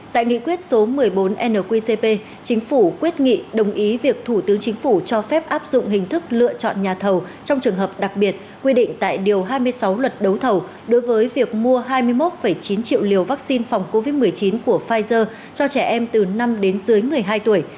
tại nghị quyết số một mươi bốn nqcp chính phủ quyết nghị đồng ý việc thủ tướng chính phủ cho phép áp dụng hình thức lựa chọn nhà thầu trong trường hợp đặc biệt quy định tại điều hai mươi sáu luật đấu thầu đối với việc mua hai mươi một chín triệu liều vaccine phòng covid một mươi chín của pfizer cho trẻ em từ năm đến dưới một mươi hai tuổi